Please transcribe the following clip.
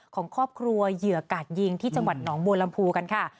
ของครอบครัวเหยื่อกาดยิงที่จังหวัดหนองบัวลำพูกันค่ะ